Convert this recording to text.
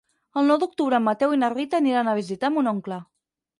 El nou d'octubre en Mateu i na Rita aniran a visitar mon oncle.